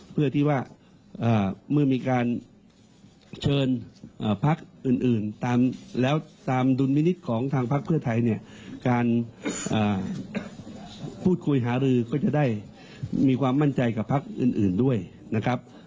เพื่อที่ว่าเมื่อมีการเชิญพักอื่นตามแล้วตามดุลมินิษฐ์ของทางพักเพื่อไทยเนี่ยการพูดคุยหารือก็จะได้มีความมั่นใจกับพักอื่นด้วยนะครับ